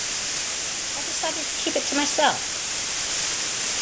I decided to keep it to myself.